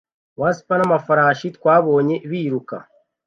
wasps n'amafarashi twabonye biruka